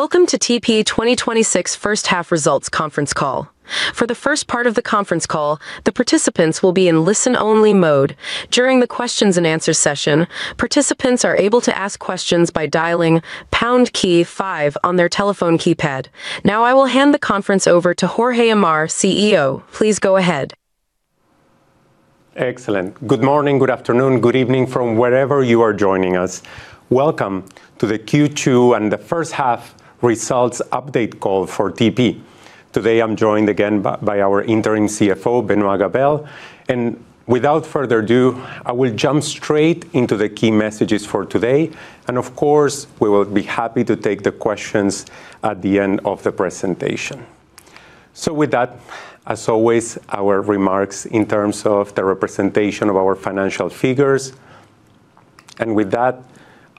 Welcome to TP 2026 First Half Results Conference Call. For the first part of the conference call, the participants will be in listen-only mode. During the questions and answers session, participants are able to ask questions by dialing pound key five on their telephone keypad. I will hand the conference over to Jorge Amar, CEO. Please go ahead. Excellent. Good morning, good afternoon, good evening from wherever you are joining us. Welcome to the Q2 and the first half results update call for TP. Today, I'm joined again by our interim CFO, Benoit Gabelle. Without further ado, I will jump straight into the key messages for today. Of course, we will be happy to take the questions at the end of the presentation. With that, as always, our remarks in terms of the representation of our financial figures. With that,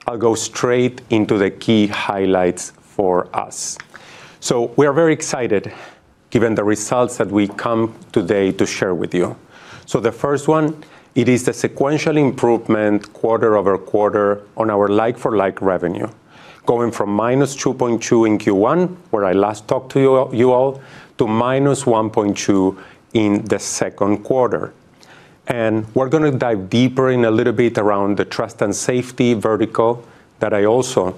I'll go straight into the key highlights for us. We are very excited given the results that we come today to share with you. The first one, it is the sequential improvement quarter-over-quarter on our like-for-like revenue, going from -2.2 in Q1, where I last talked to you all, to -1.2 in the second quarter. We're going to dive deeper in a little bit around the Trust and Safety vertical that I also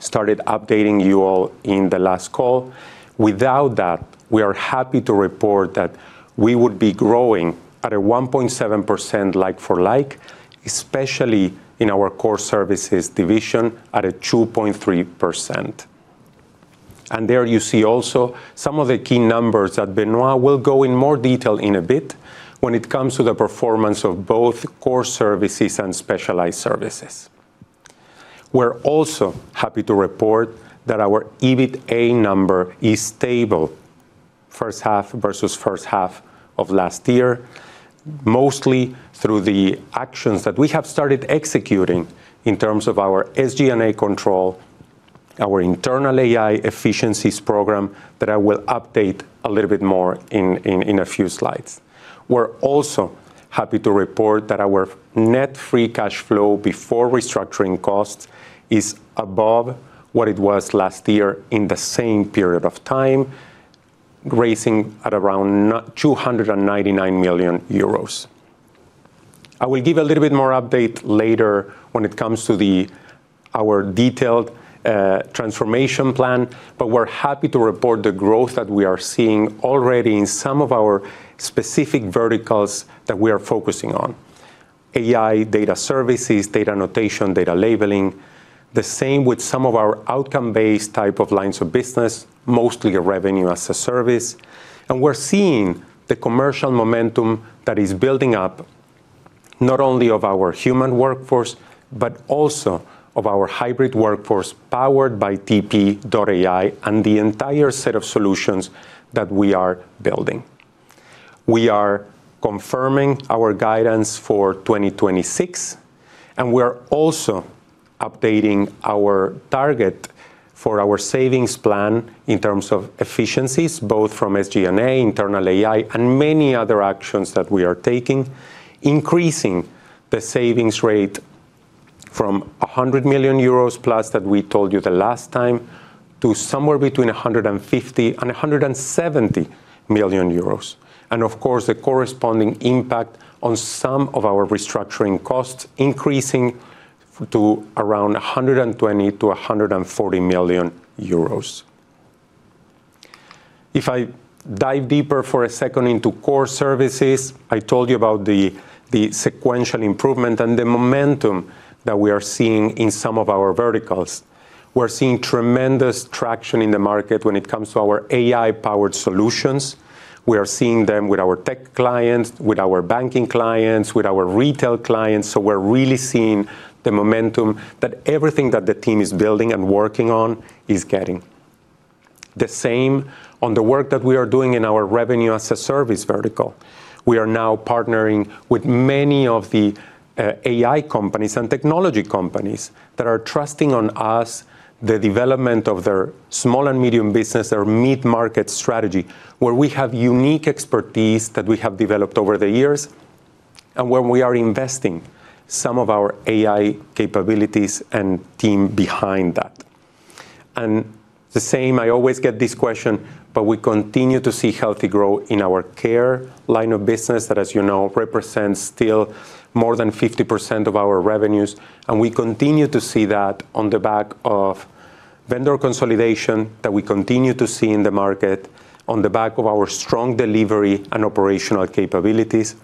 started updating you all in the last call. Without that, we are happy to report that we would be growing at a 1.7% like-for-like, especially in our Core Services division at a 2.3%. There you see also some of the key numbers that Benoit will go in more detail in a bit when it comes to the performance of both Core Services and Specialized Services. We're also happy to report that our EBITA number is stable first half versus first half of last year, mostly through the actions that we have started executing in terms of our SG&A control, our internal AI efficiencies program that I will update a little bit more in a few slides. We're also happy to report that our net free cash flow before restructuring costs is above what it was last year in the same period of time, raising at around 299 million euros. I will give a little bit more update later when it comes to our detailed transformation plan, but we're happy to report the growth that we are seeing already in some of our specific verticals that we are focusing on. AI data services, data annotation, data labeling. The same with some of our outcome-based type of lines of business, mostly a Revenue-as-a-Service. We're seeing the commercial momentum that is building up not only of our human workforce, but also of our hybrid workforce powered by TP Data AI and the entire set of solutions that we are building. We are confirming our guidance for 2026. We are also updating our target for our savings plan in terms of efficiencies, both from SG&A, internal AI, and many other actions that we are taking, increasing the savings rate from 100 million euros+ that we told you the last time to somewhere between 150 million and 170 million euros. Of course, the corresponding impact on some of our restructuring costs increasing to around 120 million to 140 million euros. If I dive deeper for a second into Core Services, I told you about the sequential improvement and the momentum that we are seeing in some of our verticals. We are seeing tremendous traction in the market when it comes to our AI-powered solutions. We are seeing them with our tech clients, with our banking clients, with our retail clients. We are really seeing the momentum that everything that the team is building and working on is getting. The same on the work that we are doing in our Revenue-as-a-Service vertical. We are now partnering with many of the AI companies and technology companies that are trusting on us the development of their small and medium business, their mid-market strategy, where we have unique expertise that we have developed over the years and where we are investing some of our AI capabilities and team behind that. The same, I always get this question, we continue to see healthy growth in our care line of business that, as you know, represents still more than 50% of our revenues. We continue to see that on the back of vendor consolidation that we continue to see in the market, on the back of our strong delivery and operational capabilities.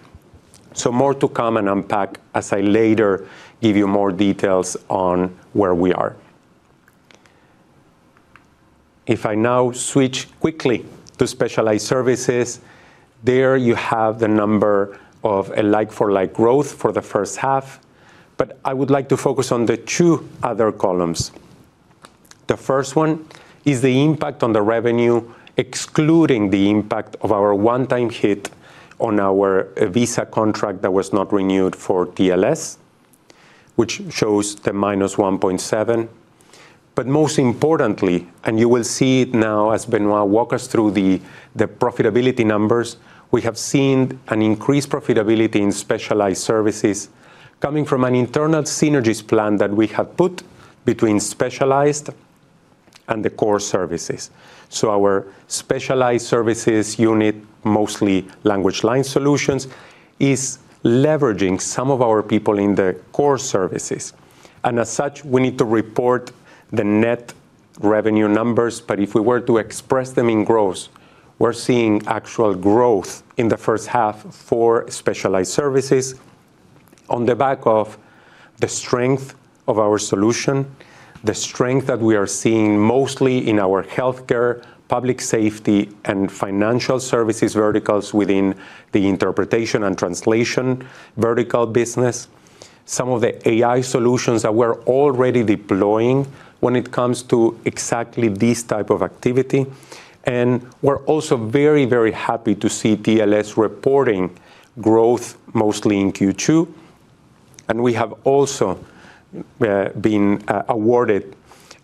More to come and unpack as I later give you more details on where we are. If I now switch quickly to Specialized Services, there you have the number of a like-for-like growth for the first half. I would like to focus on the two other columns. The first one is the impact on the revenue, excluding the impact of our one-time hit on our Visa contract that was not renewed for TLScontact, which shows the -1.7%. Most importantly, you will see it now as Benoit walk us through the profitability numbers, we have seen an increased profitability in Specialized Services coming from an internal synergies plan that we have put between Specialized Services and the Core Services. Our Specialized Services unit, mostly LanguageLine Solutions, is leveraging some of our people in the Core Services. As such, we need to report the net revenue numbers. If we were to express them in growth, we are seeing actual growth in the first half for Specialized Services on the back of the strength of our solution, the strength that we are seeing mostly in our healthcare, public safety, and financial services verticals within the interpretation and translation vertical business. Some of the AI solutions that we are already deploying when it comes to exactly this type of activity. We're also very happy to see TLScontact reporting growth mostly in Q2. We have also been awarded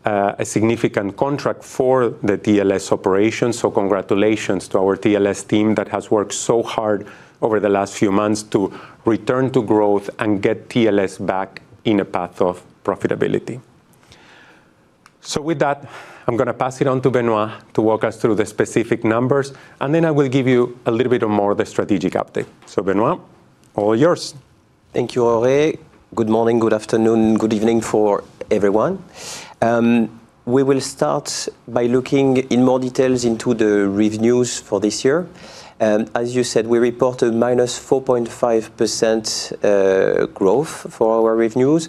a significant contract for the TLScontact operation. Congratulations to our TLScontact team that has worked so hard over the last few months to return to growth and get TLScontact back in a path of profitability. With that, I'm going to pass it on to Benoit to walk us through the specific numbers, and then I will give you a little bit more of the strategic update. Benoit, all yours. Thank you, Jorge. Good morning, good afternoon, good evening for everyone. We will start by looking in more details into the revenues for this year. As you said, we reported -4.5% growth for our revenues.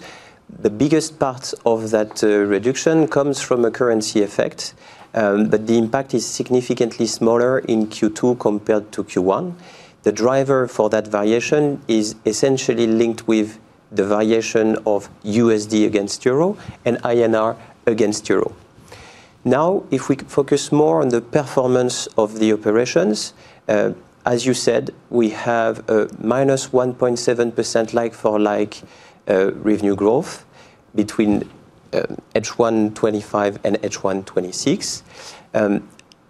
The biggest part of that reduction comes from a currency effect. The impact is significantly smaller in Q2 compared to Q1. The driver for that variation is essentially linked with the variation of USD against EUR and INR against EUR. If we focus more on the performance of the operations, as you said, we have a -1.7% like-for-like revenue growth between H1 2025 and H1 2026.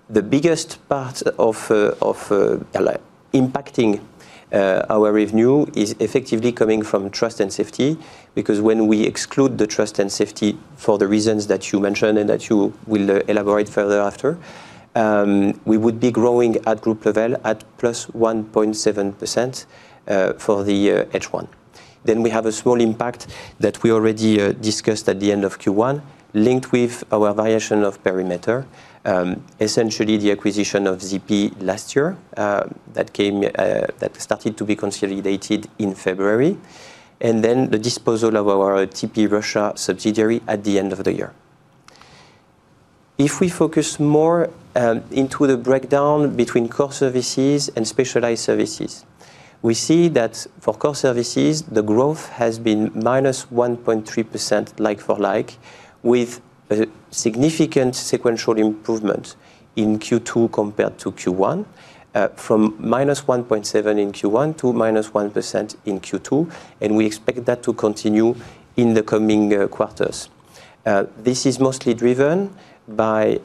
The biggest part impacting our revenue is effectively coming from Trust and Safety, because when we exclude the Trust and Safety for the reasons that you mentioned and that you will elaborate further after, we would be growing at group level at +1.7% for the H1. We have a small impact that we already discussed at the end of Q1 linked with our variation of perimeter. Essentially, the acquisition of ZP last year that started to be consolidated in February. The disposal of our TP Russia subsidiary at the end of the year. If we focus more into the breakdown between Core Services and Specialized Services, we see that for Core Services, the growth has been -1.3% like-for-like, with a significant sequential improvement in Q2 compared to Q1, from -1.7% in Q1 to -1% in Q2, and we expect that to continue in the coming quarters. This is mostly driven by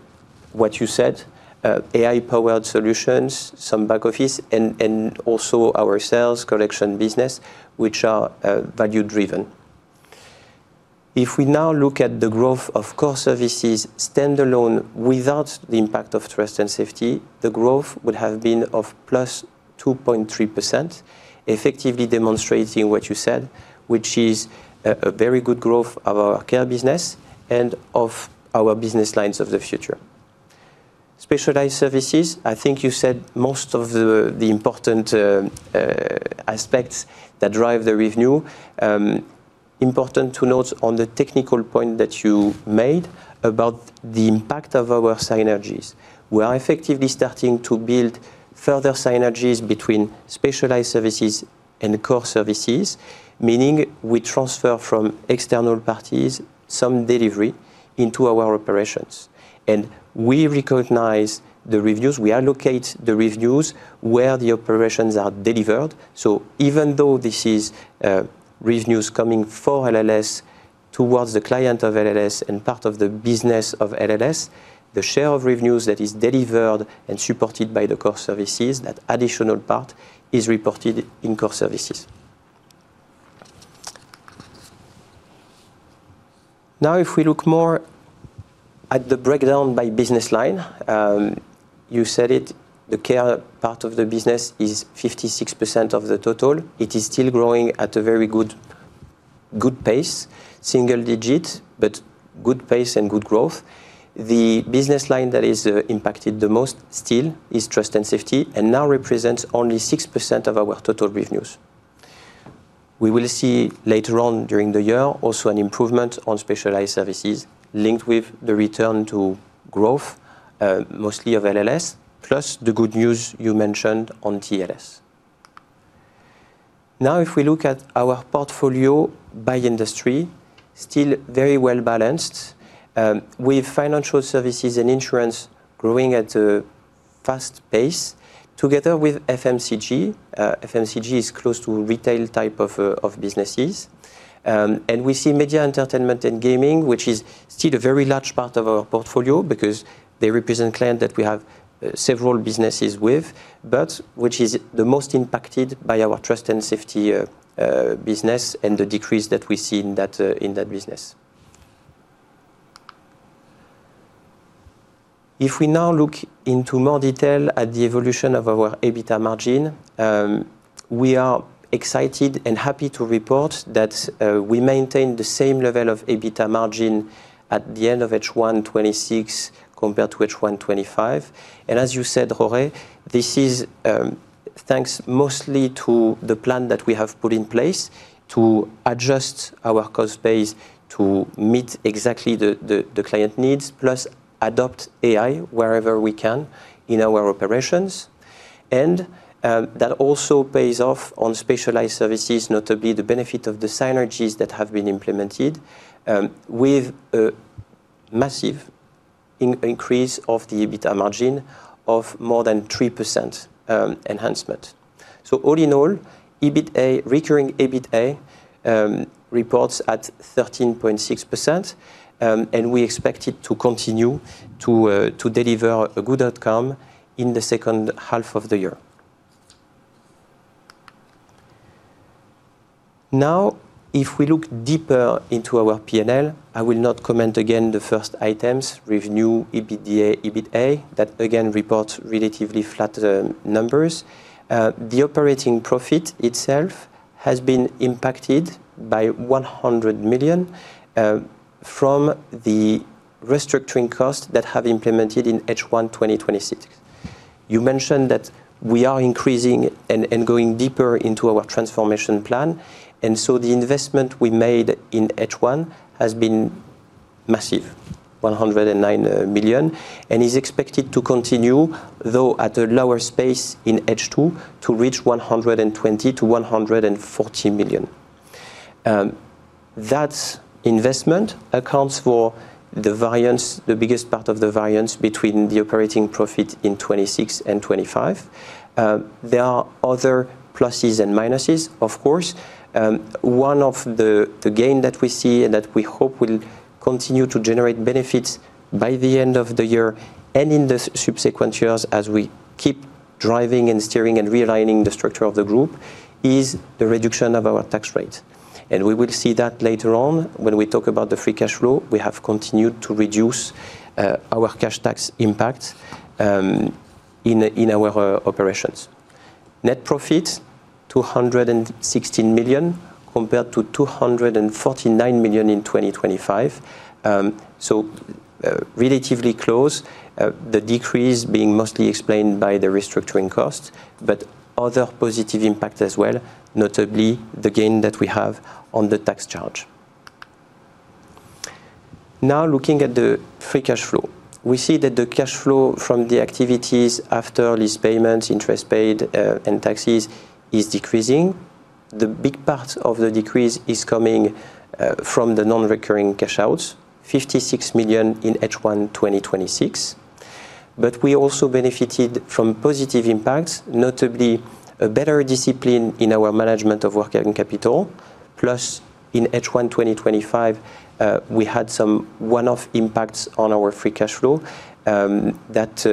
what you said, AI-powered solutions, some back office, and also our sales collection business, which are value driven. If we now look at the growth of Core Services standalone without the impact of Trust and Safety, the growth would have been of +2.3%, effectively demonstrating what you said, which is a very good growth of our care business and of our business lines of the future. Specialized Services, I think you said most of the important aspects that drive the revenue. Important to note on the technical point that you made about the impact of our synergies. We are effectively starting to build further synergies between Specialized Services and Core Services, meaning we transfer from external parties some delivery into our operations. We recognize the revenues. We allocate the revenues where the operations are delivered. Even though this is revenues coming for LLS towards the client of LLS and part of the business of LLS, the share of revenues that is delivered and supported by the Core Services, that additional part is reported in Core Services. If we look more at the breakdown by business line, you said it, the care part of the business is 56% of the total. It is still growing at a very good pace. Single digit, but good pace and good growth. The business line that is impacted the most still is Trust and Safety and now represents only 6% of our total revenues. We will see later on during the year also an improvement on Specialized Services linked with the return to growth mostly of LLS, plus the good news you mentioned on TLScontact. If we look at our portfolio by industry, still very well balanced with financial services and insurance growing at a fast pace together with FMCG. FMCG is close to retail type of businesses. We see media, entertainment, and gaming, which is still a very large part of our portfolio because they represent clients that we have several businesses with. Which is the most impacted by our Trust and Safety business and the decrease that we see in that business. If we now look into more detail at the evolution of our EBITDA margin, we are excited and happy to report that we maintained the same level of EBITDA margin at the end of H1 2026 compared to H1 2025. As you said, Jorge, this is thanks mostly to the plan that we have put in place to adjust our cost base to meet exactly the client needs, plus adopt AI wherever we can in our operations. That also pays off on Specialized Services, notably the benefit of the synergies that have been implemented, with a massive increase of the EBITDA margin of more than 3% enhancement. All in all, recurring EBITA reports at 13.6%, and we expect it to continue to deliver a good outcome in the second half of the year. If we look deeper into our P&L, I will not comment again the first items, revenue, EBITDA, EBITA, that again report relatively flat numbers. The operating profit itself has been impacted by 100 million from the restructuring costs that have implemented in H1 2026. You mentioned that we are increasing and going deeper into our transformation plan, the investment we made in H1 has been massive, 109 million, and is expected to continue, though at a lower space in H2, to reach EUR 120 million to EUR 140 million. That investment accounts for the biggest part of the variance between the operating profit in 2026 and 2025. There are other pluses and minuses, of course. One of the gain that we see and that we hope will continue to generate benefits by the end of the year, and in the subsequent years as we keep driving and steering and realigning the structure of the group, is the reduction of our tax rate. We will see that later on when we talk about the free cash flow. We have continued to reduce our cash tax impact in our operations. Net profit, 216 million compared to 249 million in 2025. Relatively close. The decrease being mostly explained by the restructuring cost, but other positive impact as well, notably the gain that we have on the tax charge. Looking at the free cash flow. We see that the cash flow from the activities after lease payments, interest paid, and taxes is decreasing. The big part of the decrease is coming from the non-recurring cash outs, 56 million in H1 2026. We also benefited from positive impacts, notably a better discipline in our management of working capital. In H1 2025, we had some one-off impacts on our free cash flow that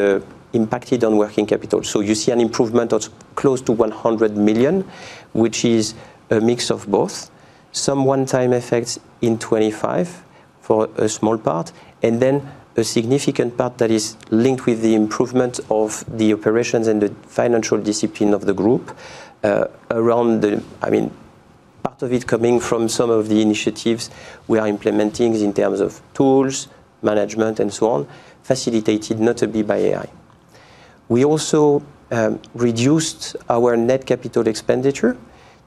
impacted on working capital. You see an improvement of close to 100 million, which is a mix of both. Some one-time effects in 2025 for a small part, and then a significant part that is linked with the improvement of the operations and the financial discipline of the group. Part of it coming from some of the initiatives we are implementing in terms of tools, management and so on, facilitated notably by AI. We also reduced our net capital expenditure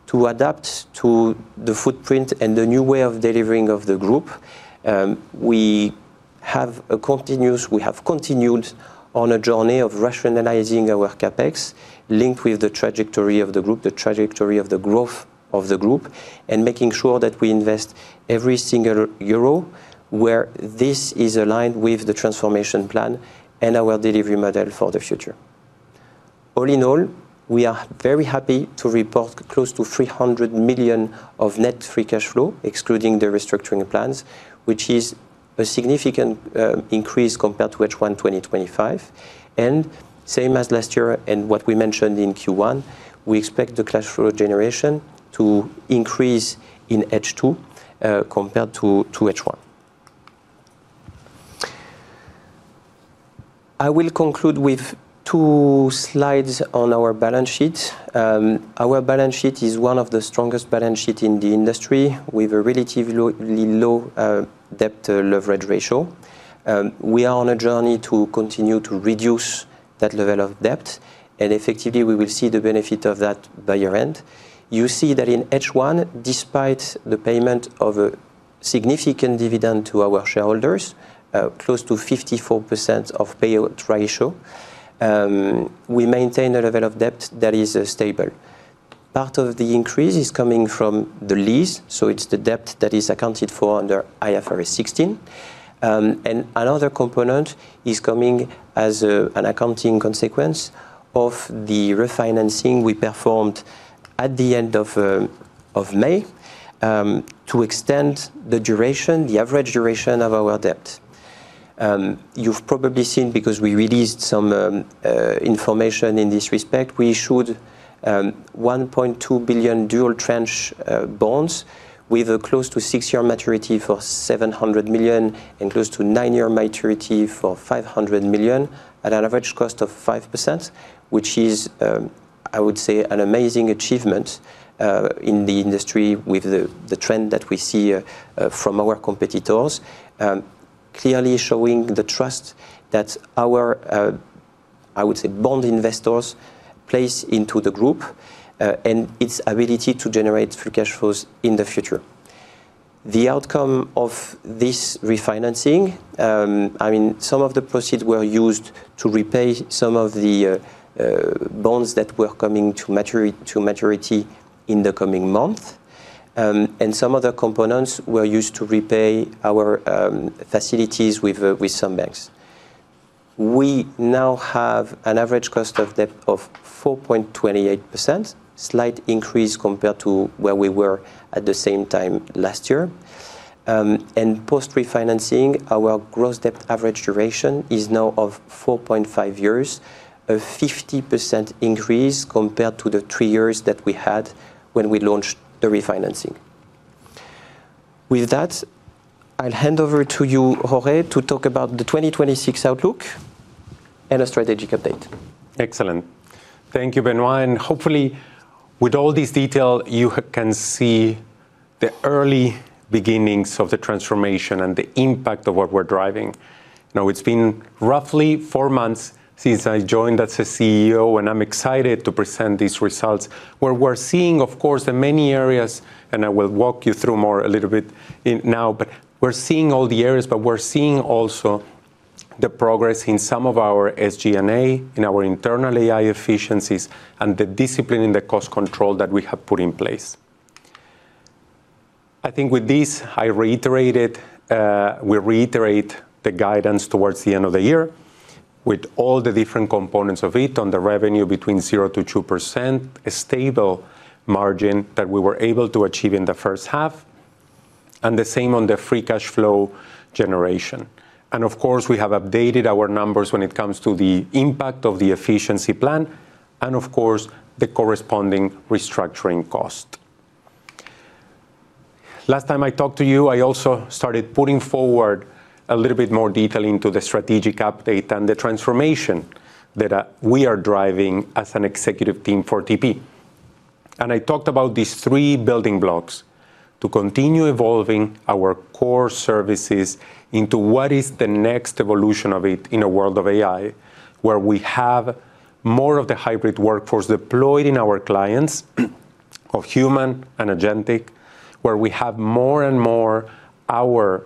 to adapt to the footprint and the new way of delivering of the group. We have continued on a journey of rationalizing our CapEx linked with the trajectory of the group, the trajectory of the growth of the group, and making sure that we invest every single euro where this is aligned with the transformation plan and our delivery model for the future. All in all, we are very happy to report close to 300 million of net free cash flow, excluding the restructuring plans, which is a significant increase compared to H1 2025. Same as last year and what we mentioned in Q1, we expect the cash flow generation to increase in H2, compared to H1. I will conclude with two slides on our balance sheet. Our balance sheet is one of the strongest balance sheet in the industry with a relatively low debt leverage ratio. We are on a journey to continue to reduce that level of debt, and effectively we will see the benefit of that by year-end. You see that in H1, despite the payment of a significant dividend to our shareholders, close to 54% of payout ratio, we maintain a level of debt that is stable. Part of the increase is coming from the lease, so it's the debt that is accounted for under IFRS 16. Another component is coming as an accounting consequence of the refinancing we performed at the end of May to extend the average duration of our debt. You've probably seen because we released some information in this respect, we issued 1.2 billion dual tranche bonds with close to six-year maturity for 700 million and close to 9 year maturity for 500 million at an average cost of 5%, which is, I would say, an amazing achievement in the industry with the trend that we see from our competitors. Clearly showing the trust that our, I would say, bond investors place into the group, and its ability to generate free cash flows in the future. The outcome of this refinancing, some of the proceeds were used to repay some of the bonds that were coming to maturity in the coming month. Some other components were used to repay our facilities with some banks. We now have an average cost of debt of 4.28%, slight increase compared to where we were at the same time last year. Post-refinancing, our gross debt average duration is now of 4.5 years, a 50% increase compared to the 3 years that we had when we launched the refinancing. With that, I'll hand over to you, Jorge, to talk about the 2026 outlook and a strategic update. Excellent. Thank you, Benoit. Hopefully with all this detail, you can see the early beginnings of the transformation and the impact of what we're driving. Now, it's been roughly 4 months since I joined as a CEO, and I'm excited to present these results where we're seeing, of course, in many areas, and I will walk you through more a little bit now. We're seeing all the areas, but we're seeing also the progress in some of our SG&A, in our internal AI efficiencies, and the discipline in the cost control that we have put in place. I think with this, we reiterate the guidance towards the end of the year with all the different components of it on the revenue between 0%-2%, a stable margin that we were able to achieve in the first half, and the same on the free cash flow generation. Of course, we have updated our numbers when it comes to the impact of the efficiency plan and, of course, the corresponding restructuring cost. Last time I talked to you, I also started putting forward a little bit more detail into the strategic update and the transformation that we are driving as an executive team for TP. I talked about these three building blocks to continue evolving our Core Services into what is the next evolution of it in a world of AI, where we have more of the hybrid workforce deployed in our clients of human and agentic, where we have more and more our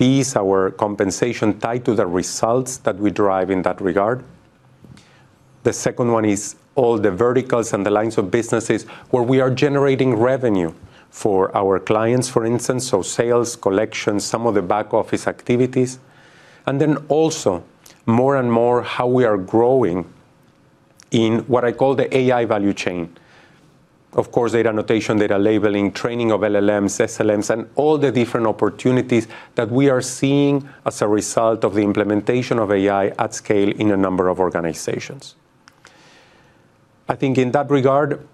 fees, our compensation tied to the results that we drive in that regard. The second one is all the verticals and the lines of businesses where we are generating revenue for our clients, for instance, so sales, collections, some of the back-office activities. Then also more and more how we are growing in what I call the AI value chain. Of course, data annotation, data labeling, training of LLMs, SLMs, and all the different opportunities that we are seeing as a result of the implementation of AI at scale in a number of organizations. I think in that regard,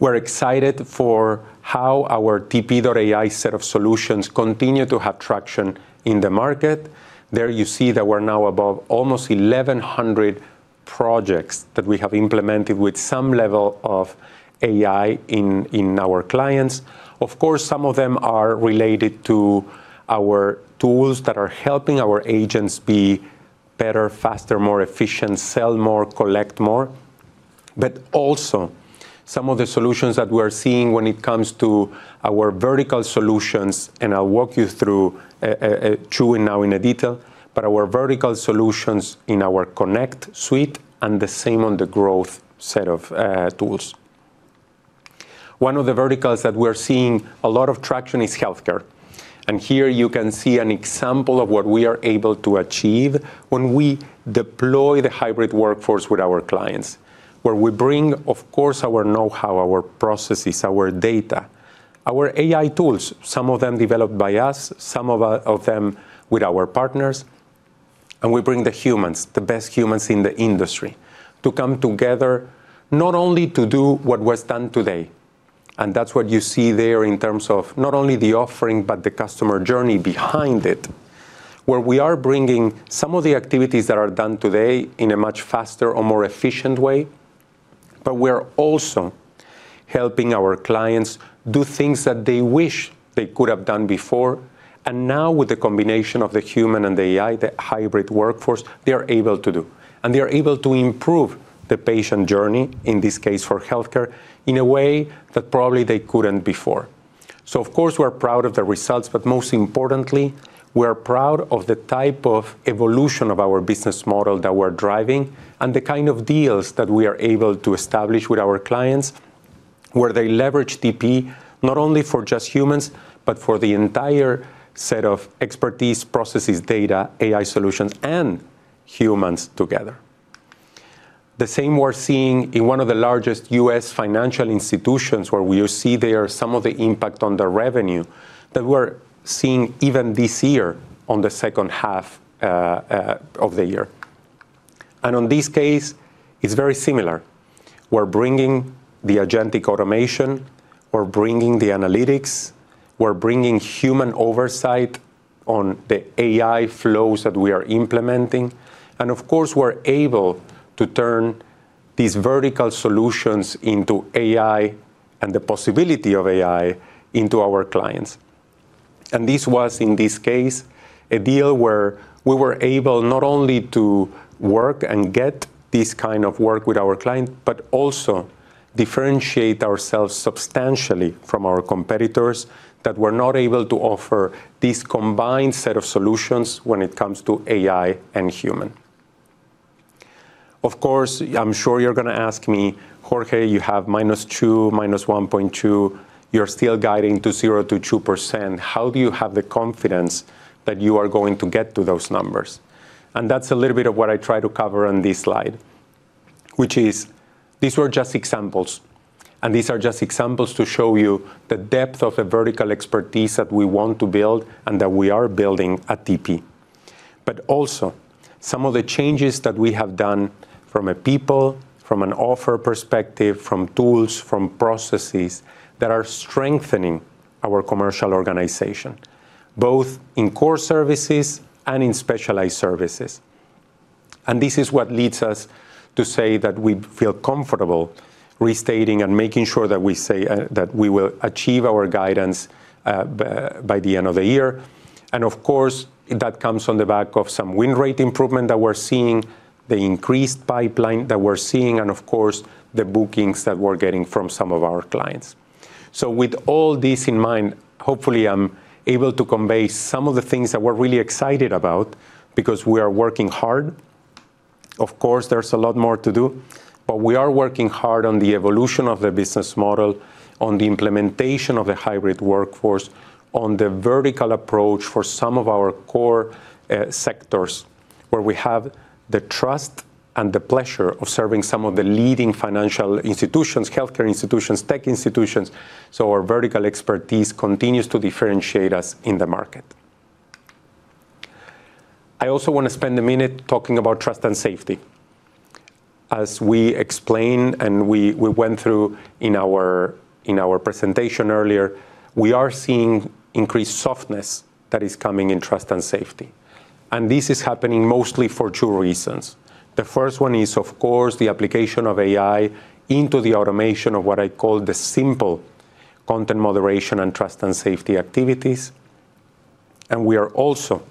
we're excited for how our TP.ai set of solutions continue to have traction in the market. There you see that we're now above almost 1,100 projects that we have implemented with some level of AI in our clients. Of course, some of them are related to our tools that are helping our agents be better, faster, more efficient, sell more, collect more. Also some of the solutions that we are seeing when it comes to our vertical solutions, I'll walk you through two now in detail, but our vertical solutions in our Connect suite and the same on the growth set of tools. One of the verticals that we're seeing a lot of traction is healthcare. Here you can see an example of what we are able to achieve when we deploy the hybrid workforce with our clients, where we bring, of course, our know-how, our processes, our data, our AI tools, some of them developed by us, some of them with our partners, and we bring the humans, the best humans in the industry to come together not only to do what was done today. That's what you see there in terms of not only the offering, but the customer journey behind it, where we are bringing some of the activities that are done today in a much faster or more efficient way. We're also helping our clients do things that they wish they could have done before. Now with the combination of the human and the AI, the hybrid workforce, they are able to do. They are able to improve the patient journey, in this case for healthcare, in a way that probably they couldn't before. Of course, we're proud of the results, but most importantly, we're proud of the type of evolution of our business model that we're driving and the kind of deals that we are able to establish with our clients, where they leverage TP not only for just humans, but for the entire set of expertise, processes, data, AI solutions, and humans together. The same we're seeing in one of the largest U.S. financial institutions, where you see there some of the impact on the revenue that we're seeing even this year on the second half of the year. On this case, it's very similar. We're bringing the agentic automation, we're bringing the analytics, we're bringing human oversight on the AI flows that we are implementing. Of course, we're able to turn these vertical solutions into AI and the possibility of AI into our clients. This was, in this case, a deal where we were able not only to work and get this kind of work with our client but also differentiate ourselves substantially from our competitors that were not able to offer this combined set of solutions when it comes to AI and human. Of course, I'm sure you're going to ask me, "Jorge, you have -2, -1.2. You're still guiding to 0% -2%. How do you have the confidence that you are going to get to those numbers?" That's a little bit of what I try to cover on this slide, which is these were just examples. These are just examples to show you the depth of the vertical expertise that we want to build and that we are building at TP. Also, some of the changes that we have done from a people, from an offer perspective, from tools, from processes that are strengthening our commercial organization, both in Core Services and in Specialized Services. This is what leads us to say that we feel comfortable restating and making sure that we say that we will achieve our guidance by the end of the year. Of course, that comes on the back of some win rate improvement that we're seeing, the increased pipeline that we're seeing, and of course, the bookings that we're getting from some of our clients. With all this in mind, hopefully I'm able to convey some of the things that we're really excited about because we are working hard. Of course, there's a lot more to do, but we are working hard on the evolution of the business model, on the implementation of a hybrid workforce, on the vertical approach for some of our core sectors, where we have the trust and the pleasure of serving some of the leading financial institutions, healthcare institutions, tech institutions. Our vertical expertise continues to differentiate us in the market. I also want to spend a minute talking about Trust and Safety. As we explained and we went through in our presentation earlier, we are seeing increased softness that is coming in Trust and Safety. This is happening mostly for two reasons. The first one is, of course, the application of AI into the automation of what I call the simple content moderation and Trust and Safety activities. We are also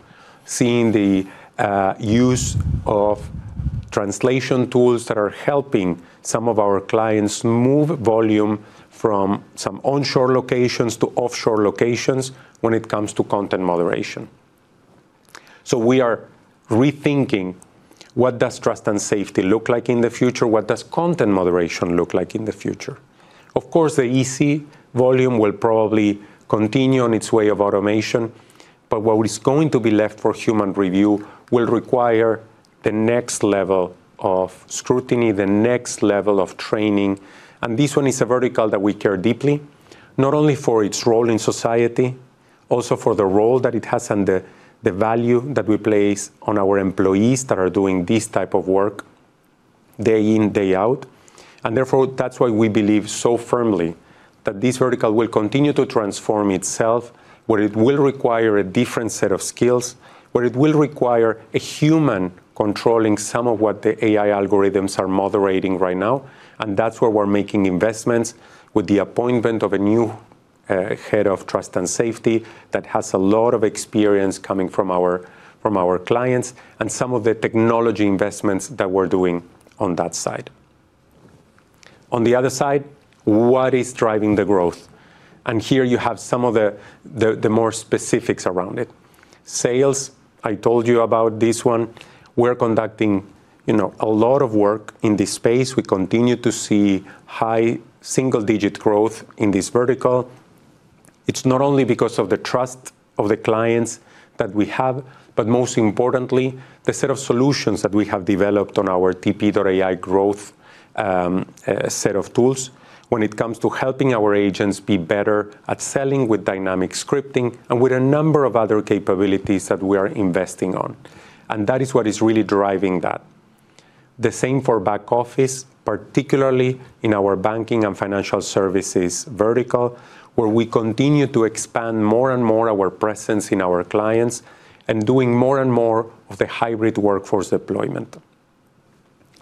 seeing the use of translation tools that are helping some of our clients move volume from some onshore locations to offshore locations when it comes to content moderation. We are rethinking what does Trust and Safety look like in the future? What does content moderation look like in the future? Of course, the easy volume will probably continue on its way of automation, but what is going to be left for human review will require the next level of scrutiny, the next level of training. This one is a vertical that we care deeply, not only for its role in society, also for the role that it has and the value that we place on our employees that are doing this type of work day in, day out. Therefore, that's why we believe so firmly that this vertical will continue to transform itself, where it will require a different set of skills, where it will require a human controlling some of what the AI algorithms are moderating right now. That's where we're making investments with the appointment of a new head of Trust and Safety that has a lot of experience coming from our clients and some of the technology investments that we're doing on that side. On the other side, what is driving the growth? Here you have some of the more specifics around it. Sales, I told you about this one. We're conducting a lot of work in this space. We continue to see high single-digit growth in this vertical. It's not only because of the trust of the clients that we have, but most importantly, the set of solutions that we have developed on our TP.ai growth set of tools when it comes to helping our agents be better at selling with dynamic scripting and with a number of other capabilities that we are investing on. That is what is really driving that. The same for back office, particularly in our banking and financial services vertical, where we continue to expand more and more our presence in our clients and doing more and more of the hybrid workforce deployment.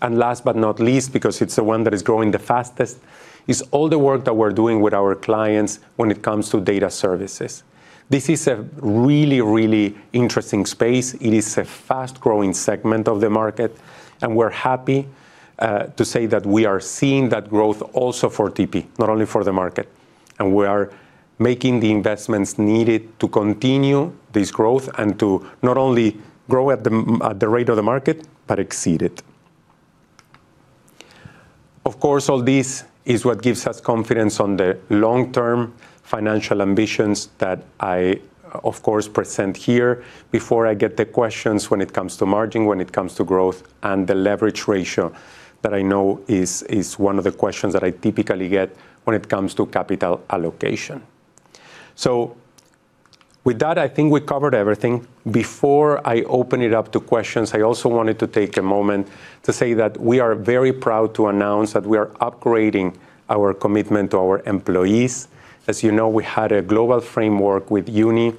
Last but not least, because it's the one that is growing the fastest, is all the work that we're doing with our clients when it comes to data services. This is a really, really interesting space. It is a fast-growing segment of the market, and we're happy to say that we are seeing that growth also for TP, not only for the market. We are making the investments needed to continue this growth and to not only grow at the rate of the market but exceed it. Of course, all this is what gives us confidence on the long-term financial ambitions that I, of course, present here before I get the questions when it comes to margin, when it comes to growth, and the leverage ratio that I know is one of the questions that I typically get when it comes to capital allocation. With that, I think we covered everything. Before I open it up to questions, I also wanted to take a moment to say that we are very proud to announce that we are upgrading our commitment to our employees. As you know, we had a global framework with UNI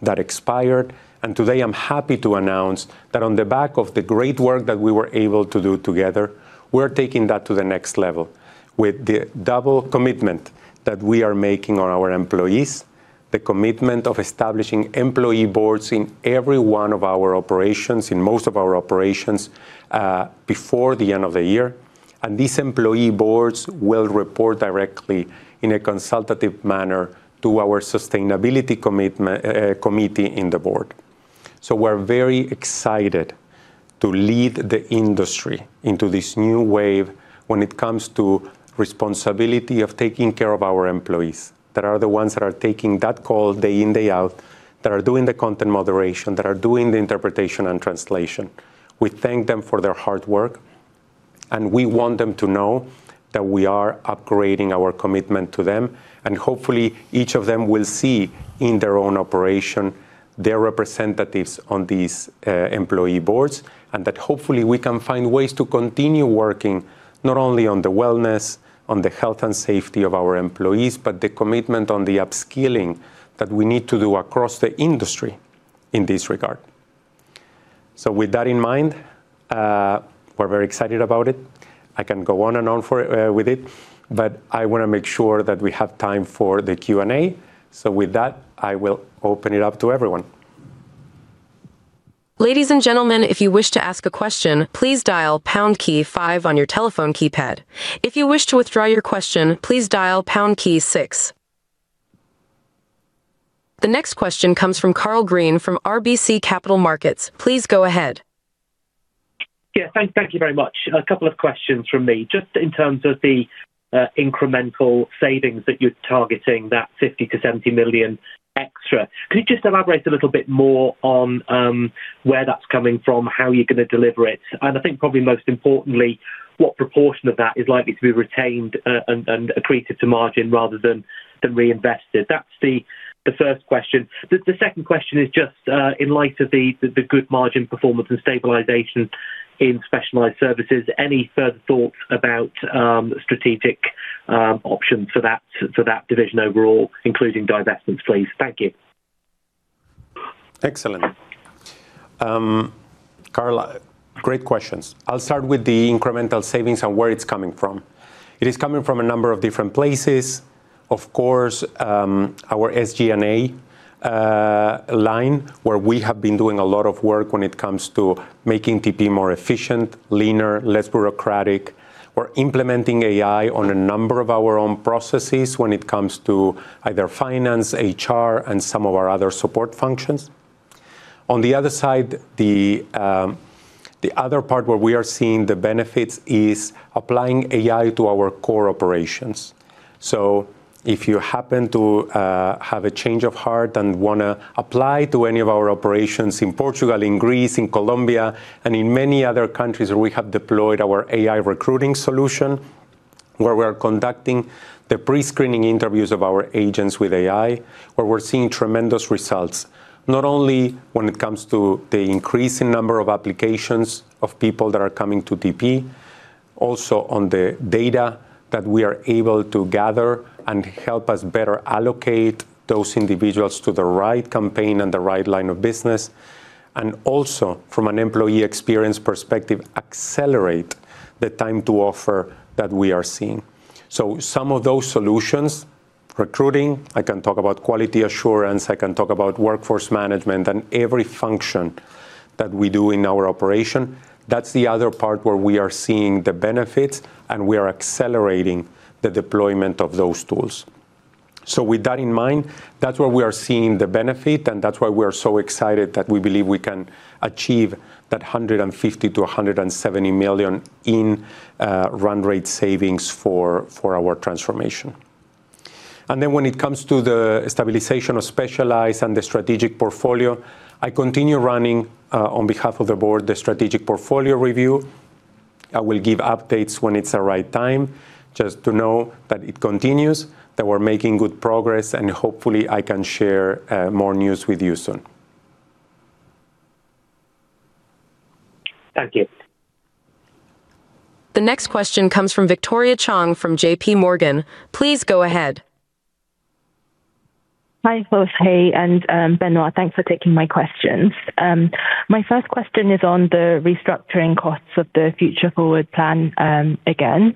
that expired, and today I'm happy to announce that on the back of the great work that we were able to do together, we're taking that to the next level with the double commitment that we are making on our employees, the commitment of establishing employee boards in every one of our operations, in most of our operations, before the end of the year. These employee boards will report directly in a consultative manner to our sustainability committee in the board. We're very excited to lead the industry into this new wave when it comes to responsibility of taking care of our employees, that are the ones that are taking that call day in, day out, that are doing the content moderation, that are doing the interpretation and translation. We thank them for their hard work, and we want them to know that we are upgrading our commitment to them. Hopefully, each of them will see in their own operation, their representatives on these employee boards, and that hopefully we can find ways to continue working not only on the wellness, on the health and safety of our employees, but the commitment on the upskilling that we need to do across the industry in this regard. With that in mind, we're very excited about it. I can go on and on with it, but I want to make sure that we have time for the Q&A. With that, I will open it up to everyone. Ladies and gentlemen, if you wish to ask a question, please dial pound key five on your telephone keypad. If you wish to withdraw your question, please dial pound key six. The next question comes from Karl Green from RBC Capital Markets. Please go ahead. Yeah. Thank you very much. A couple of questions from me. Just in terms of the incremental savings that you're targeting, that 50 million-70 million extra. Can you just elaborate a little bit more on where that's coming from, how you're going to deliver it? I think probably most importantly, what proportion of that is likely to be retained and accreted to margin rather than reinvested? That's the first question. The second question is just, in light of the good margin performance and stabilization in Specialized Services, any further thoughts about strategic options for that division overall, including divestments, please? Thank you. Excellent. Karl, great questions. I'll start with the incremental savings and where it's coming from. It is coming from a number of different places. Of course, our SG&A line, where we have been doing a lot of work when it comes to making TP more efficient, leaner, less bureaucratic. We're implementing AI on a number of our own processes when it comes to either finance, HR, and some of our other support functions. On the other side, the other part where we are seeing the benefits is applying AI to our core operations. If you happen to have a change of heart and want to apply to any of our operations in Portugal, in Greece, in Colombia, and in many other countries where we have deployed our AI recruiting solution, where we are conducting the pre-screening interviews of our agents with AI, where we're seeing tremendous results, not only when it comes to the increasing number of applications of people that are coming to TP, also on the data that we are able to gather and help us better allocate those individuals to the right campaign and the right line of business. Also, from an employee experience perspective, accelerate the time to offer that we are seeing. Some of those solutions, recruiting, I can talk about quality assurance, I can talk about workforce management and every function that we do in our operation. That's the other part where we are seeing the benefits, and we are accelerating the deployment of those tools. With that in mind, that's where we are seeing the benefit, and that's why we are so excited that we believe we can achieve that 150 million-170 million in run rate savings for our transformation. When it comes to the stabilization of Specialized Services and the strategic portfolio, I continue running, on behalf of the board, the strategic portfolio review. I will give updates when it's the right time. Just to know that it continues, that we're making good progress, and hopefully I can share more news with you soon. Thank you. The next question comes from Victoria Chong from JPMorgan. Please go ahead. Hi, Jorge and Benoit. Thanks for taking my questions. My first question is on the restructuring costs of the Future Forward plan, again.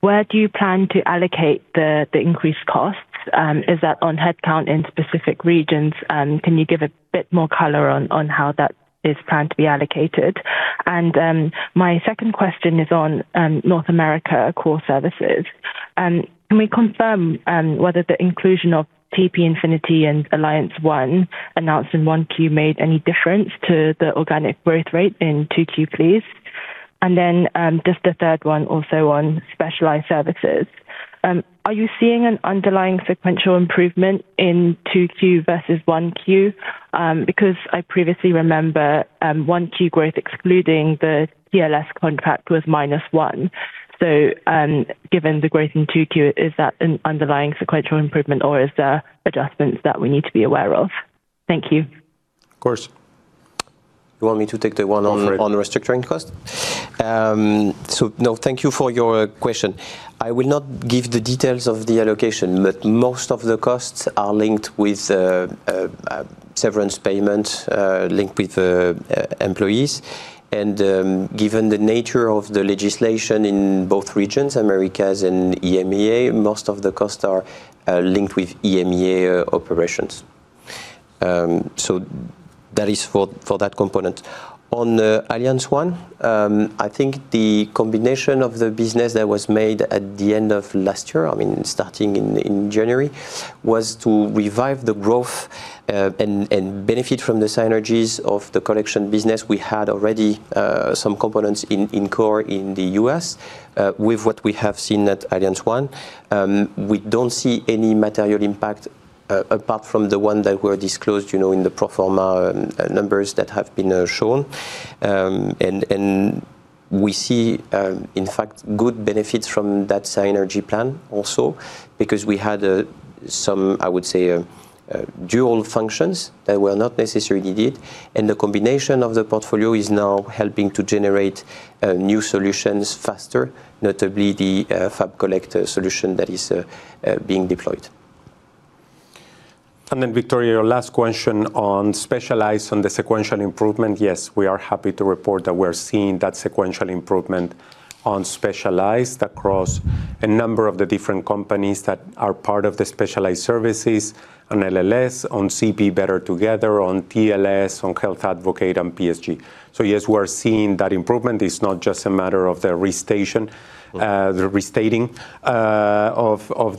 Where do you plan to allocate the increased costs? Is that on headcount in specific regions? Can you give a bit more color on how that is planned to be allocated? My second question is on North America Core Services. Can we confirm whether the inclusion of TP Infinity and AllianceOne announced in 1Q made any difference to the organic growth rate in 2Q, please? Just a third one also on Specialized Services. Are you seeing an underlying sequential improvement in 2Q versus 1Q? Because I previously remember 1Q growth excluding the TLScontact was minus 1. Given the growth in 2Q, is that an underlying sequential improvement, or is there adjustments that we need to be aware of? Thank you. Of course. You want me to take the one on restructuring cost? Go for it No, thank you for your question. I will not give the details of the allocation, but most of the costs are linked with severance payment, linked with employees. Given the nature of the legislation in both regions, Americas and EMEA, most of the costs are linked with EMEA operations. That is for that component. On AllianceOne, I think the combination of the business that was made at the end of last year, starting in January, was to revive the growth and benefit from the synergies of the collection business. We had already some components in core in the U.S. With what we have seen at AllianceOne, we don't see any material impact apart from the ones that were disclosed in the pro forma numbers that have been shown. We see, in fact, good benefits from that synergy plan also because we had some, I would say, dual functions that were not necessarily needed. The combination of the portfolio is now helping to generate new solutions faster, notably the Fab Collector solution that is being deployed. Victoria, your last question on Specialized Services on the sequential improvement. Yes, we are happy to report that we're seeing that sequential improvement on Specialized Services across a number of the different companies that are part of the Specialized Services, on LLS, on ZP Better Together, on TLScontact, on Health Advocate, on PSG. Yes, we are seeing that improvement. It's not just a matter of the restating of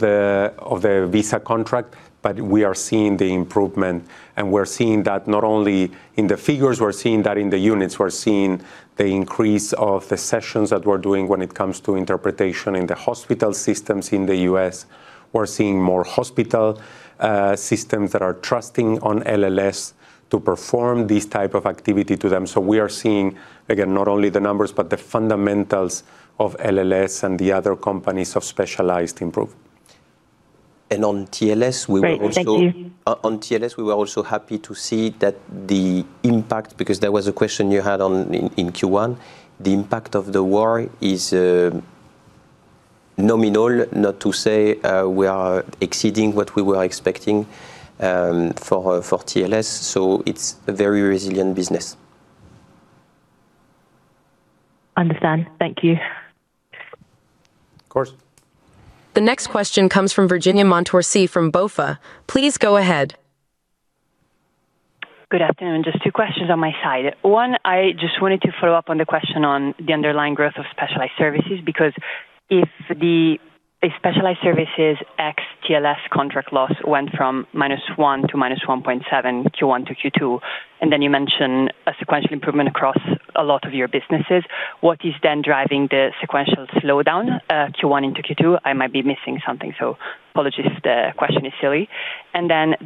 the Visa contract. We are seeing the improvement, and we're seeing that not only in the figures, we're seeing that in the units. We're seeing the increase of the sessions that we're doing when it comes to interpretation in the hospital systems in the U.S. We're seeing more hospital systems that are trusting on LLS to perform this type of activity to them. We are seeing, again, not only the numbers, but the fundamentals of LLS and the other companies of Specialized Services improve. On TLScontact, we were also. Great. Thank you. On TLScontact, we were also happy to see that the impact, because there was a question you had in Q1, the impact of the war is nominal, not to say we are exceeding what we were expecting for TLScontact. It's a very resilient business. Understand. Thank you. Of course. The next question comes from Virginia Montorsi from BofA. Please go ahead. Good afternoon. Just two questions on my side. One, I just wanted to follow up on the question on the underlying growth of Specialized Services, because if Specialized Services ex TLScontact contract loss went from -1% to -1.7%, Q1 to Q2, you mentioned a sequential improvement across a lot of your businesses, what is then driving the sequential slowdown, Q1 into Q2? I might be missing something, so apologies if the question is silly.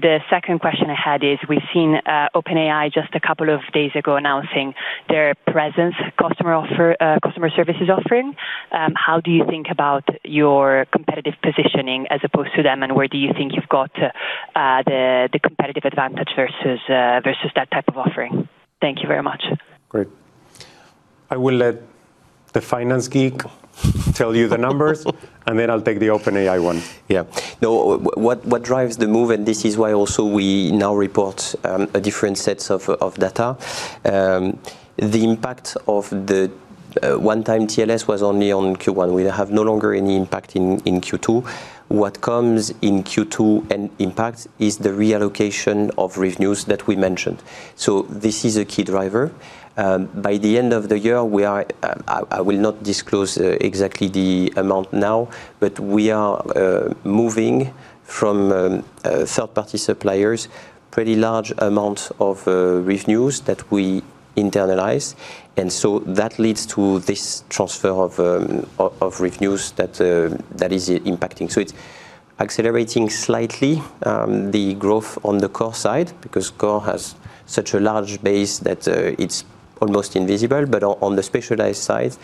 The second question I had is, we've seen OpenAI just a couple of days ago announcing their presence customer services offering. How do you think about your competitive positioning as opposed to them, and where do you think you've got the competitive advantage versus that type of offering? Thank you very much. Great. I will let the finance geek tell you the numbers, and then I'll take the OpenAI one. No, what drives the move, and this is why also we now report a different sets of data. The impact of the one-time TLScontact was only on Q1. We have no longer any impact in Q2. What comes in Q2, an impact is the reallocation of revenues that we mentioned. This is a key driver. By the end of the year, I will not disclose exactly the amount now, but we are moving from third-party suppliers pretty large amount of revenues that we internalize. That leads to this transfer of revenues that is impacting. It's accelerating slightly the growth on the Core side, because Core has such a large base that it's almost invisible. But on the Specialized side,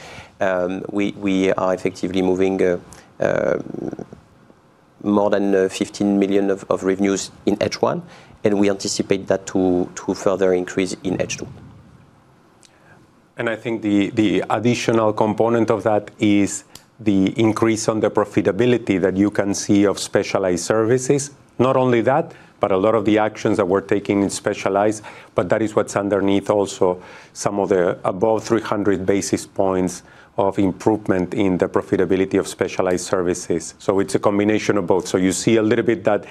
we are effectively moving more than 15 million of revenues in H1, and we anticipate that to further increase in H2. I think the additional component of that is the increase on the profitability that you can see of Specialized Services. Not only that, but a lot of the actions that we're taking in Specialized, that is what's underneath also some of the above 300 basis points of improvement in the profitability of Specialized Services. It's a combination of both. You see a little bit that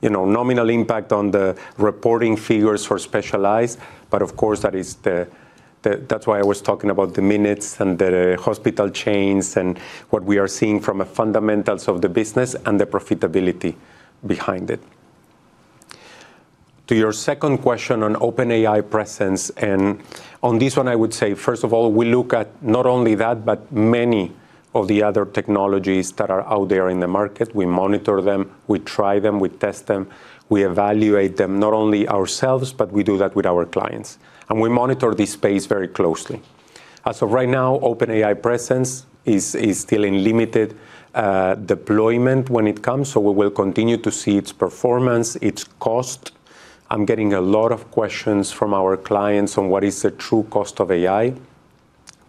nominal impact on the reporting figures for Specialized, but of course, that's why I was talking about the minutes and the hospital chains and what we are seeing from a fundamentals of the business and the profitability behind it. To your second question on OpenAI presence. On this one, I would say, first of all, we look at not only that but many of the other technologies that are out there in the market. We monitor them, we try them, we test them. We evaluate them, not only ourselves, but we do that with our clients. We monitor this space very closely. As of right now, OpenAI presence is still in limited deployment when it comes, we will continue to see its performance, its cost. I'm getting a lot of questions from our clients on what is the true cost of AI,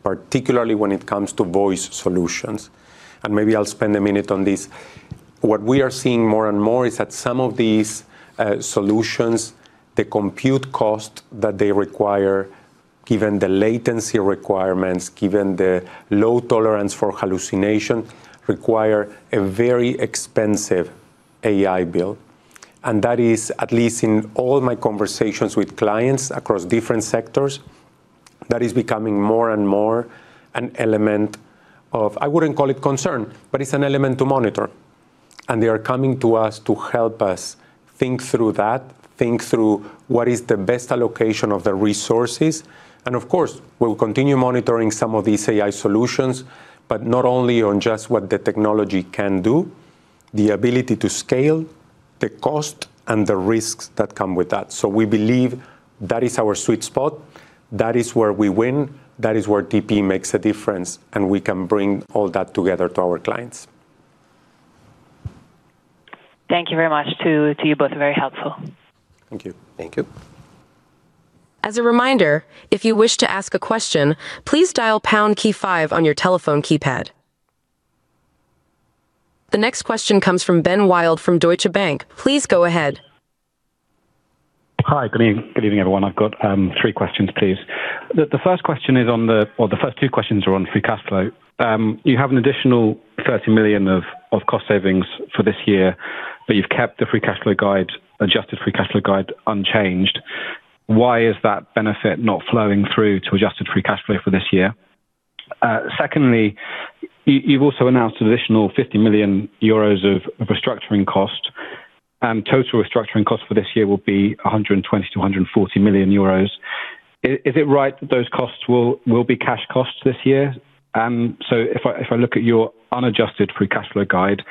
particularly when it comes to voice solutions. Maybe I'll spend a minute on this. What we are seeing more and more is that some of these solutions, the compute cost that they require, given the latency requirements, given the low tolerance for hallucination, require a very expensive AI build. That is, at least in all my conversations with clients across different sectors, that is becoming more and more an element of, I wouldn't call it concern, but it's an element to monitor. They are coming to us to help us think through that, think through what is the best allocation of the resources. Of course, we'll continue monitoring some of these AI solutions, but not only on just what the technology can do, the ability to scale, the cost, and the risks that come with that. We believe that is our sweet spot. That is where we win. That is where TP makes a difference, and we can bring all that together to our clients. Thank you very much to you both. Very helpful. Thank you. Thank you. As a reminder, if you wish to ask a question, please dial pound, key five on your telephone keypad. The next question comes from Ben Wild from Deutsche Bank. Please go ahead. Hi. Good evening, everyone. I've got three questions, please. The first two questions are on free cash flow. You have an additional 30 millions of cost savings for this year, but you've kept the adjusted free cash flow guide unchanged. Why is that benefit not flowing through to adjusted free cash flow for this year? Secondly, you've also announced additional 50 million euros of restructuring cost. Total restructuring cost for this year will be 120 million-140 million euros. Is it right that those costs will be cash costs this year? If I look at your unadjusted free cash flow guide,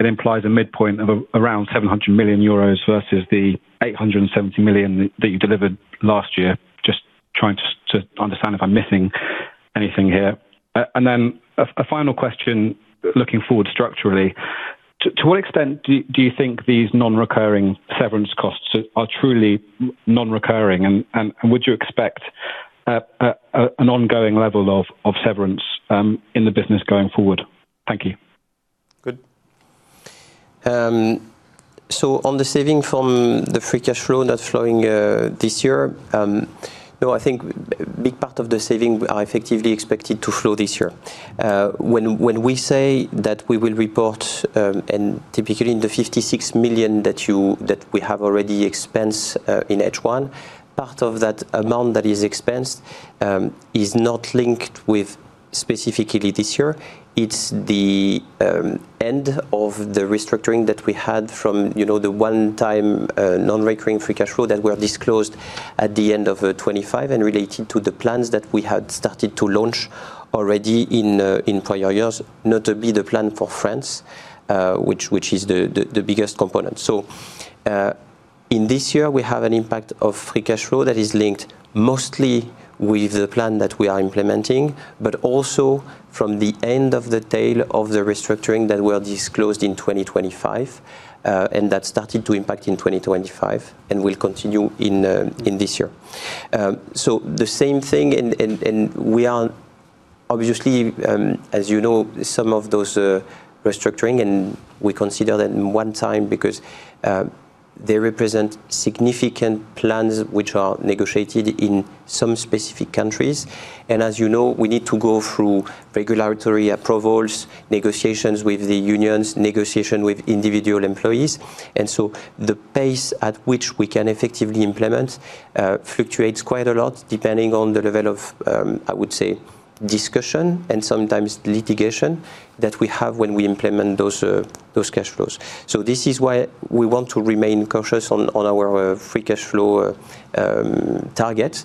it implies a midpoint of around 700 million euros versus the 870 million that you delivered last year. Just trying to understand if I'm missing anything here. A final question, looking forward structurally, to what extent do you think these non-recurring severance costs are truly non-recurring? Would you expect an ongoing level of severance in the business going forward? Thank you. Good. On the saving from the free cash flow not flowing this year, no, I think a big part of the saving are effectively expected to flow this year. When we say that we will report, and typically in the 56 million that we have already expensed in H1, part of that amount that is expensed is not linked with specifically this year. It's the end of the restructuring that we had from the one-time non-recurring free cash flow that were disclosed at the end of 2025 and relating to the plans that we had started to launch already in prior years, notably the plan for France, which is the biggest component. In this year, we have an impact of free cash flow that is linked mostly with the plan that we are implementing, but also from the end of the tail of the restructuring that were disclosed in 2025, and that started to impact in 2025 and will continue in this year. The same thing, we are obviously, as you know, some of those restructuring, and we consider that one time because they represent significant plans which are negotiated in some specific countries. As you know, we need to go through regulatory approvals, negotiations with the unions, negotiation with individual employees, the pace at which we can effectively implement fluctuates quite a lot depending on the level of, I would say, discussion and sometimes litigation that we have when we implement those cash flows. This is why we want to remain cautious on our free cash flow target.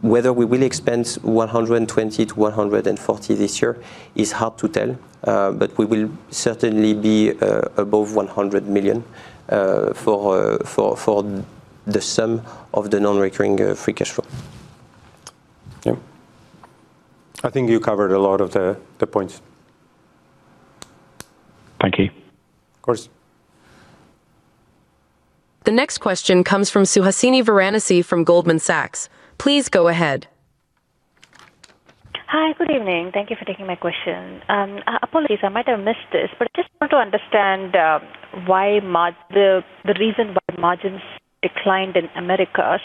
Whether we will expense 120 million-140 million this year is hard to tell, but we will certainly be above 100 million for the sum of the non-recurring free cash flow. Yeah. I think you covered a lot of the points. Thank you. Of course. The next question comes from Suhasini Varanasi from Goldman Sachs. Please go ahead. Hi. Good evening. Thank you for taking my question. Apologies, I might have missed this but just want to understand the reason why margins declined in Americas.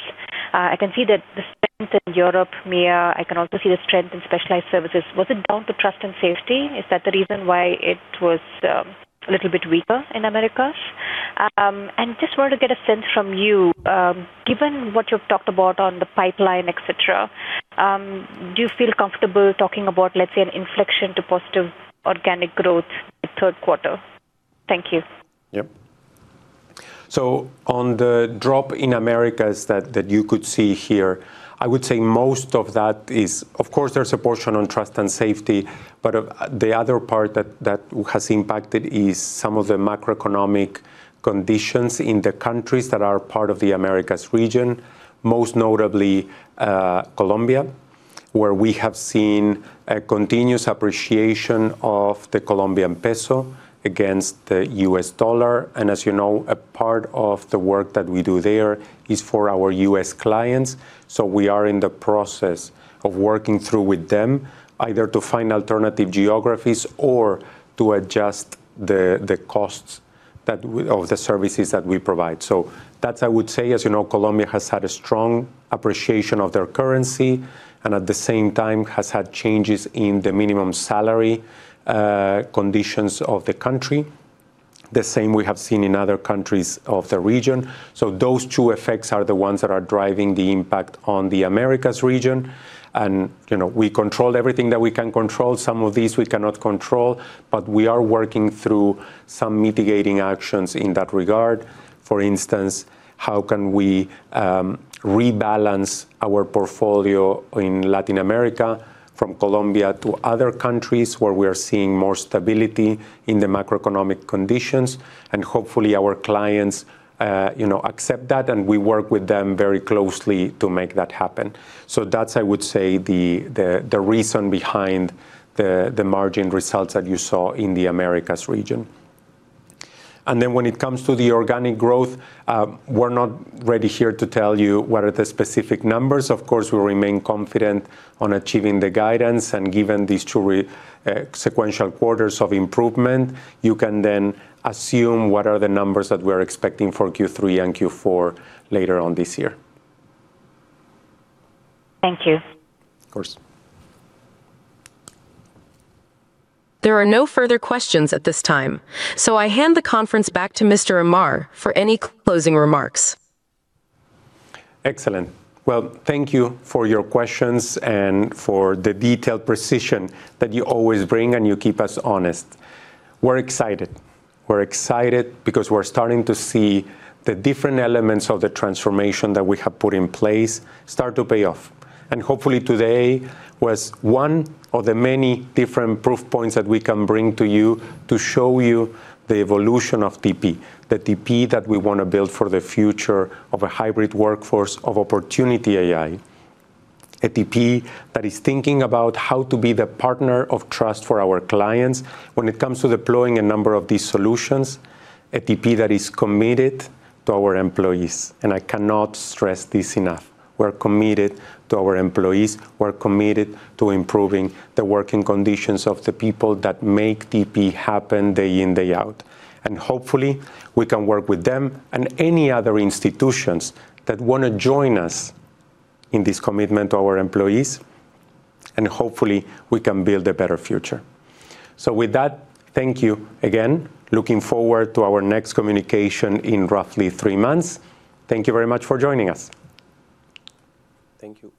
I can see that the strength in Europe, EMEA, I can also see the strength in Specialized Services. Was it down to Trust and Safety? Is that the reason why it was a little bit weaker in Americas? Just wanted to get a sense from you, given what you've talked about on the pipeline, et cetera, do you feel comfortable talking about, let's say, an inflection to positive organic growth in third quarter? Thank you. Yep. On the drop in Americas that you could see here, I would say most of that is, of course, there's a portion on Trust and Safety, but the other part that has impacted is some of the macroeconomic conditions in the countries that are part of the Americas region, most notably Colombia where we have seen a continuous appreciation of the Colombian peso against the U.S. Dollar. As you know, a part of the work that we do there is for our U.S. clients. We are in the process of working through with them, either to find alternative geographies or to adjust the costs of the services that we provide. That I would say. As you know, Colombia has had a strong appreciation of their currency and at the same time has had changes in the minimum salary conditions of the country. The same we have seen in other countries of the region. Those two effects are the ones that are driving the impact on the Americas region. We control everything that we can control. Some of these we cannot control, but we are working through some mitigating actions in that regard. For instance, how can we rebalance our portfolio in Latin America, from Colombia to other countries where we are seeing more stability in the macroeconomic conditions? Hopefully our clients accept that and we work with them very closely to make that happen. That's, I would say, the reason behind the margin results that you saw in the Americas region. When it comes to the organic growth, we're not ready here to tell you what are the specific numbers. Of course, we remain confident on achieving the guidance. Given these two sequential quarters of improvement, you can then assume what are the numbers that we're expecting for Q3 and Q4 later on this year. Thank you. Of course. There are no further questions at this time. I hand the conference back to Mr. Amar for any closing remarks. Excellent. Well, thank you for your questions and for the detailed precision that you always bring. You keep us honest. We're excited. We're excited because we're starting to see the different elements of the transformation that we have put in place start to pay off. Hopefully today was one of the many different proof points that we can bring to you to show you the evolution of TP. The TP that we want to build for the future of a hybrid workforce of Opportunity AI. A TP that is thinking about how to be the partner of trust for our clients when it comes to deploying a number of these solutions. A TP that is committed to our employees. I cannot stress this enough. We're committed to our employees. We're committed to improving the working conditions of the people that make TP happen day in, day out. Hopefully we can work with them and any other institutions that want to join us in this commitment to our employees, and hopefully we can build a better future. With that, thank you again. Looking forward to our next communication in roughly 3 months. Thank you very much for joining us. Thank you